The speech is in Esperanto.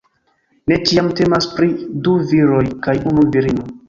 Ne ĉiam temas pri du viroj kaj unu virino.